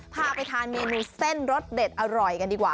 พาไปทานเมนูเส้นรสเด็ดอร่อยกันดีกว่า